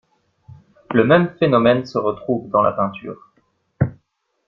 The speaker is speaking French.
Le même phénomène se retrouve dans la peinture.